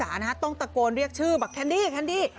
พี่สาต้องตะโกนเรียกชื่อแบบแคนดี้แคนดี้